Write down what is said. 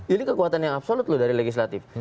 ini kekuatan yang absolut loh dari legislatif